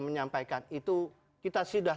menyampaikan itu kita sudah